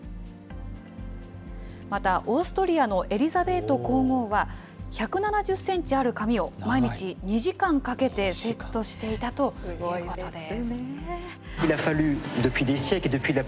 また、オーストリアのエリザベート皇后は、１７０センチある髪を毎日２時間かけてセットしていたということです。